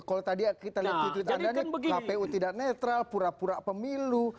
kalau tadi kita lihat tweet anda nih kpu tidak netral pura pura pemilu